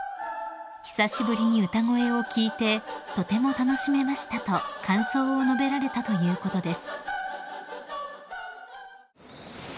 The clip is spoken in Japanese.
［「久しぶりに歌声を聞いてとても楽しめました」と感想を述べられたということです］